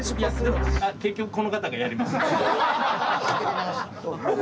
結局この方がやります。